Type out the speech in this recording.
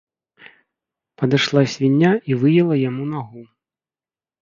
Падышла свіння і выела яму нагу.